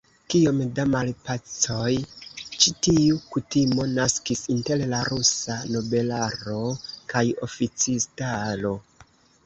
Kiom da malpacoj ĉi tiu kutimo naskis inter la rusa nobelaro kaj oficistaro!